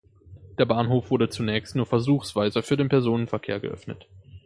Der Bahnhof wurde zunächst nur versuchsweise für den Personenverkehr geöffnet.